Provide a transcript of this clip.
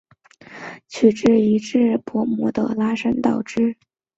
薄膜的拉伸导致样品分子和拉伸方向取向一致。